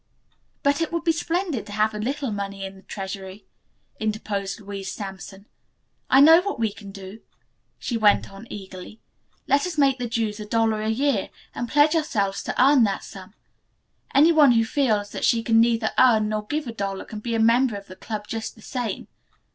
"But it would be splendid to have a little money in the treasury," interposed Louise Sampson. "I know what we can do," she went on eagerly. "Let us make the dues a dollar a year, and pledge ourselves to earn that sum. Any one who feels that she can neither earn nor give a dollar can be a member of the club just the same.